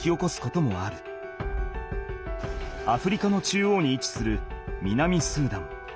アフリカの中央にいちする南スーダン。